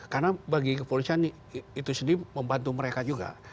karena bagi kepolisian itu sendiri membantu mereka juga